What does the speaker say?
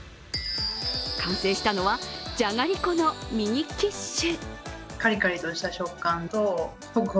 完成したのはじゃがりこのミニキッシュ。